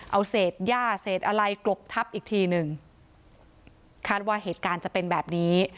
เอาเศษย่าเศษอะไรกลบทับอีกทีหนึ่งคาดว่าเหตุการณ์จะเป็นแบบนี้